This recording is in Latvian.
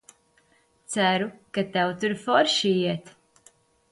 Ceru, ka tev tur forši iet!